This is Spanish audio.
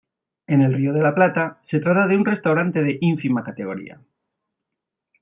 En el Río de la Plata se trata de un restaurante de ínfima categoría.